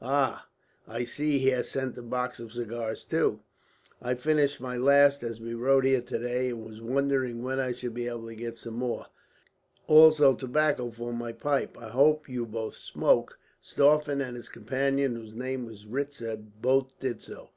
"Ah! I see he has sent a box of cigars, too. I finished my last as we rode here today, and was wondering when I should be able to get some more in; also tobacco for my pipe. I hope you both smoke." Stauffen and his companion, whose name was Ritzer, both did so.